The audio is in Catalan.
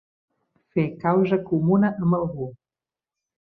Fer causa comuna amb algú.